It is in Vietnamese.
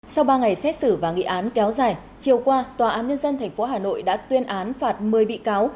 sau ba ngày xét xử và nghị án kéo dài chiều qua tòa án nhân dân tp hà nội đã tuyên án phạt một mươi bị cáo